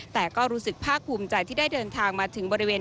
แต่ก็รู้สึกภาคภูมิใจที่ได้เดินทางมาถึงบริเวณ